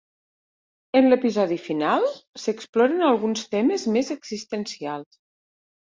En l'episodi final, s'exploren alguns temes més existencials.